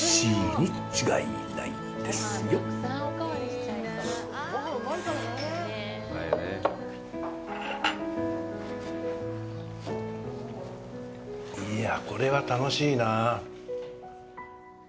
いや、これは、楽しいな。